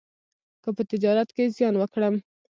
که په تجارت کې زیان وکړم،